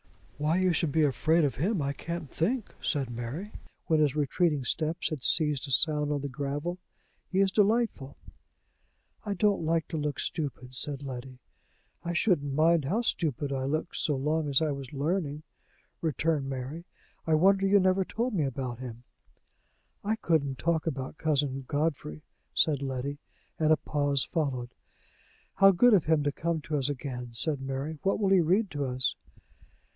"Why you should be afraid of him, I can't think," said Mary, when his retreating steps had ceased to sound on the gravel. "He is delightful!" "I don't like to look stupid," said Letty. "I shouldn't mind how stupid I looked so long as I was learning," returned Mary. "I wonder you never told me about him!" "I couldn't talk about Cousin Godfrey," said Letty; and a pause followed. "How good of him to come to us again!" said Mary. "What will he read to us?"